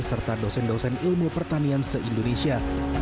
serta dosen dosen ilmu pertanian se indonesia